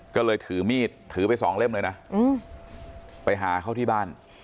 ก็เลยถือมีดถือไปสองเล่มเลยนะไปหาเขาที่บ้าน